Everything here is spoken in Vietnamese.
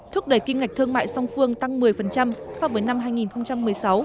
thúc đẩy kim ngạch thương mại song phương tăng một mươi so với năm hai nghìn một mươi sáu